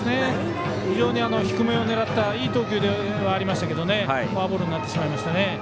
非常に低めを狙ったいい投球ではありましたけどフォアボールになってしまいました。